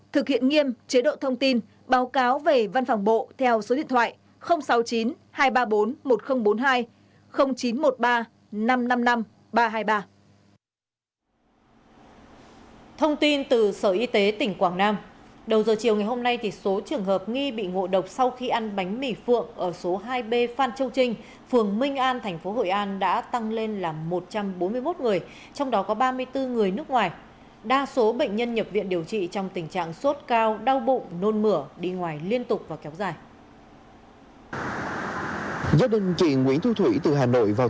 thực hiện nghiêm chế độ thông tin báo cáo về văn phòng bộ theo số điện thoại sáu mươi chín hai trăm ba mươi bốn một nghìn bốn mươi hai chín trăm một mươi ba năm trăm năm mươi năm ba trăm hai mươi ba